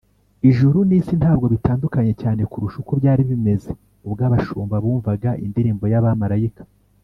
Ijuru n’isi ntabwo bitandukanye cyane kurusha uko byari bimeze ubwo abashumba bumvaga indirimbo y’abamarayika.